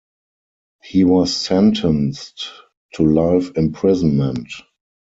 He was sentenced to life imprisonment.